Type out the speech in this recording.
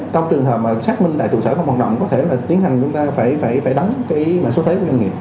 trong trường hợp xác minh tại trụ sở không hoạt động có thể là tiến hành chúng ta phải đắng cái số thuế của doanh nghiệp